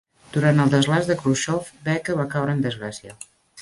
Durant el desglaç de Khrusxov, Becher va caure en desgràcia.